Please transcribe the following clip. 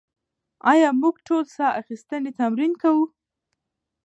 ایا موږ ټول ساه اخیستنې تمرین کوو؟